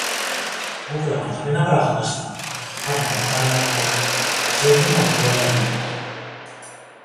僕らは食べながら話をした。たぶんくだらないこと、記憶にも残らないようなこと。